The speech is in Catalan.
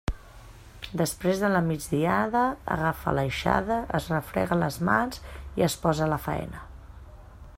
Després de la migdiada, agafa l'aixada, es refrega les mans i es posa a la faena.